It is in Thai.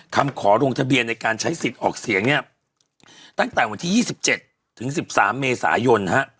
คำขอลงทะเบียนในการใช้สิทธิ์ออกเสียงเนี่ยตั้งแต่วันที่๒๗ถึง๑๓เมษายน